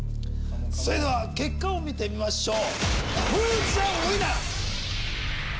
それでは結果を見てみましょう。